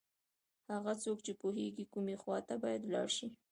هغه څوک چې پوهېږي کومې خواته باید ولاړ شي.